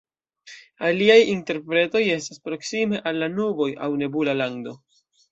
Aliaj interpretoj estas "proksime al la nuboj" aŭ "nebula lando".